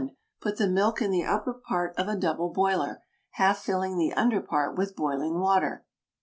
Put the milk in the upper part of a double boiler, half filling the under part with boiling water.